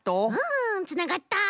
うんつながった！